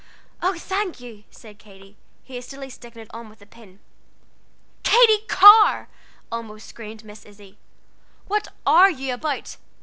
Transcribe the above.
"Oh, thank you!" said Katy, hastily sticking it on with a pin. "Katy Carr!" almost screamed Miss Izzie, "what are you about?